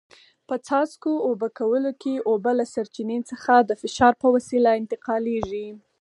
په څاڅکو اوبه کولو کې اوبه له سرچینې څخه د فشار په وسیله انتقالېږي.